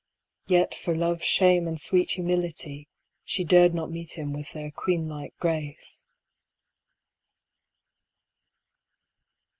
Yet for Love's shame and sweet humility, She dared not meet him with their queenlike grace.